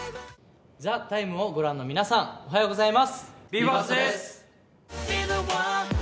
「ＴＨＥＴＩＭＥ，」をご覧の皆さんおはようございます。